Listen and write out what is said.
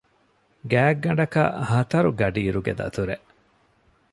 ގާތްގަނޑަކަށް ހަތަރު ގަޑިއިރުގެ ދަތުރެއް